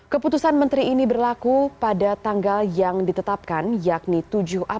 keputusan menteri ini menetapkan pemprov dki jakarta dalam rangka percepatan penanganan virus corona